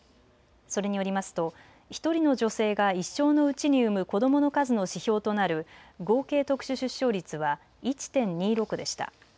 それによりますと１人の女性が一生のうちに産む子どもの数の指標となる合計特殊出生率は１．２６でした。